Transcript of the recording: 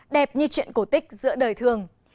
đẹp như chuyện cổ tích giữa đời thường